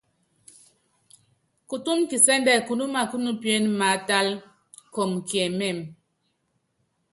Kutúmu kisɛ́ndɛ kunúma kúnupíené maátálá, kɔɔmɔ kiɛmɛ́mɛ.